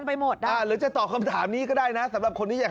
ไปหมดอ่ะหรือจะตอบคำถามนี้ก็ได้นะสำหรับคนที่อยาก